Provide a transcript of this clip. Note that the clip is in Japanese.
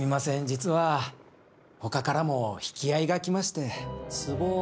実はほかからも引き合いが来まして。